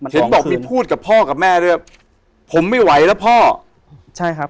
เห็นบอกไม่พูดกับพ่อกับแม่เลยครับ